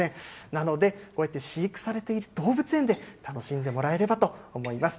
なので、こうやって飼育されている動物園で楽しんでもらえればと思います。